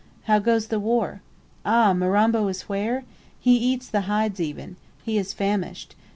"How goes the war?" "Ah, Mirambo is where? He eats the hides even. He is famished.